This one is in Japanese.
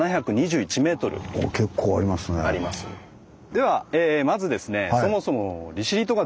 ではまずですね